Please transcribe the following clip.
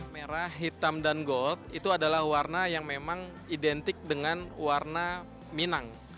merah hitam dan gold itu adalah warna yang memang identik dengan warna minang